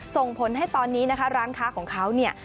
ส่งผลให้ตอนนี้นะคะร้านค้าของเขาเนี่ย